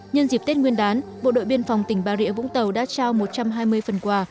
nhân dịp tết nguyên đán bộ đội biên phòng tỉnh bà rịa vũng tàu đã trao một trăm hai mươi phần quà